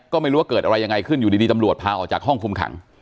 ก็ไม่รู้ว่าเกิดอะไรยังไงขึ้นอยู่ดีตำรวจพาออกจากห้องคุมขัง